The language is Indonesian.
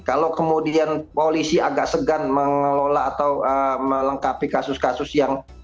kalau kemudian polisi agak segan mengelola atau melengkapi kasus kasus yang